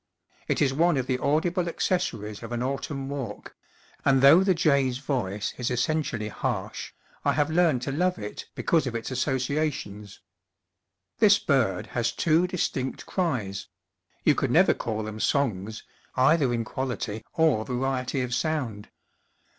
It is one of trie audible acces sories of an autumn walk; and though the jay's voice is essentially harsh, I have learned to love it because of its associations. This bird has two distinct cries you could never call them songs, either in quality or variety of sound.